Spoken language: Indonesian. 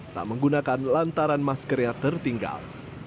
tak menggunakan lantaran maskernya tertinggal